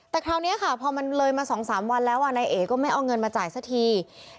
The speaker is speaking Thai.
แต่คราวนี้ค่ะพอมันเลยมา๒๓วันแล้วนายเอก็ไม่เอาเงินมาจ่ายสักที